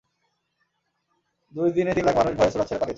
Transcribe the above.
দুই দিনে তিন লাখ মানুষ ভয়ে সুরাট ছেড়ে পালিয়েছে।